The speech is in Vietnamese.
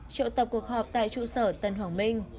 triệu tập cuộc họp tại trụ sở tân hoàng minh